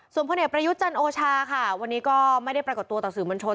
ส่วนพลเอกประยุทธ์จันโอชาค่ะวันนี้ก็ไม่ได้ปรากฏตัวต่อสื่อมวลชน